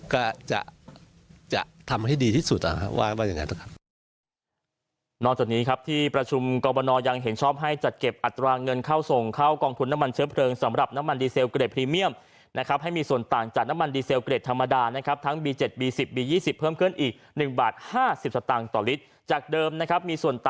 ก็จะทำให้ดีที่สุดนะครับว่าอย่างนั้นนะครับ